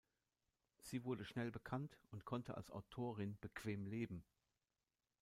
Sie wurde schnell bekannt und konnte als Autorin bequem leben.